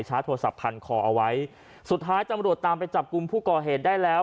โทรศัพท์พันคอเอาไว้สุดท้ายตำรวจตามไปจับกลุ่มผู้ก่อเหตุได้แล้ว